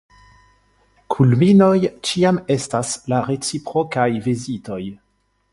Kulminoj ĉiam estas la reciprokaj vizitoj.